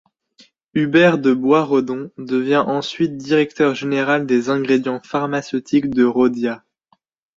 Hubert de Boisredon devient ensuite directeur général des ingrédients pharmaceutiques de Rhodia.